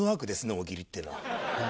大喜利ってのは。